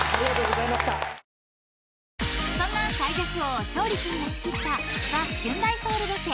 ［そんな最弱王勝利君が仕切ったザ・現代ソウルロケ。